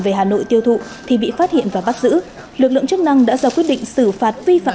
về hà nội tiêu thụ thì bị phát hiện và bắt giữ lực lượng chức năng đã ra quyết định xử phạt vi phạm